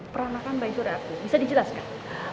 peranakan by surya abduh bisa dijelaskan